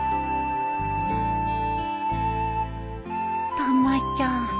たまちゃん。